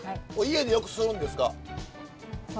家でよくするんですか？